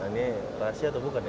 nah ini rahasia tuh bukan ya